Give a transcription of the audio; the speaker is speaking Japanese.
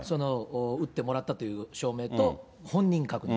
打ってもらったという証明と、本人確認。